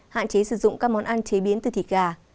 hạn chế sử dụng các món ăn chế biến từ thịt gà